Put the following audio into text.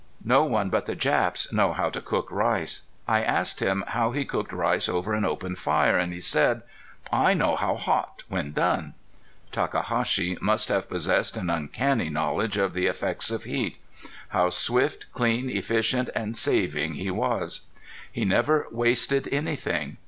No one but the Japs know how to cook rice. I asked him how he cooked rice over an open fire and he said: "I know how hot when done." Takahashi must have possessed an uncanny knowledge of the effects of heat. How swift, clean, efficient and saving he was! He never wasted anything.